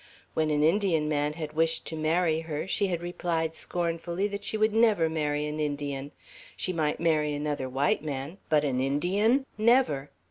When an Indian man had wished to marry her, she had replied scornfully that she would never marry an Indian; she might marry another white man, but an Indian, never.